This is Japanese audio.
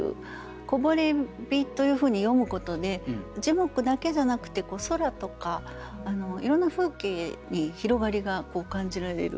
「こぼれ日」というふうに詠むことで樹木だけじゃなくて空とかいろんな風景に広がりが感じられる